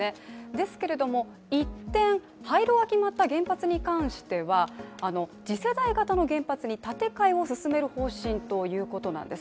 ですけれども、一転、廃炉が決まった原発に関しては次世代型の原発に建て替えを進める方針ということなんです。